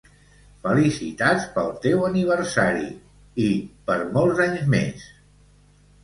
Felicitats pel teu aniversari i per molts anys més